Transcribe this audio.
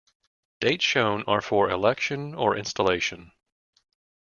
Dates shown are for election or installation.